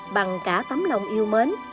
bằng cả tấm lòng yêu mến